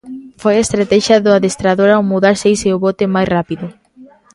Foi a estratexia do adestrador ao mudar seis e o bote máis rápido.